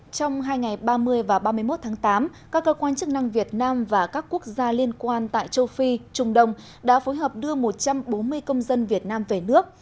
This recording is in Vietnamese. trong hai ngày ba mươi và ba mươi một tháng tám các cơ quan chức năng việt nam và các quốc gia liên quan tại châu phi trung đông đã phối hợp đưa một trăm bốn mươi công dân việt nam về nước